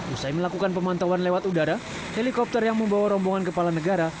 usai melakukan pemantauan lewat udara helikopter yang membawa rombongan kepala negara